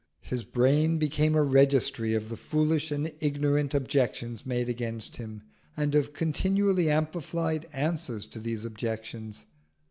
His brain became a registry of the foolish and ignorant objections made against him, and of continually amplified answers to these objections.